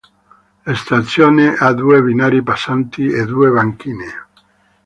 La stazione ha due binari passanti e due banchine.